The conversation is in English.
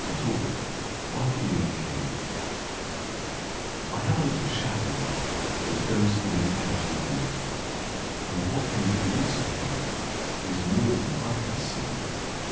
[Pg 20] MY SHADOW I have a little shadow that goes in and out with me, And what can be the use of him is more than I can see.